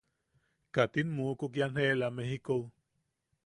¿Katin mukuk ian jeela Mejikou?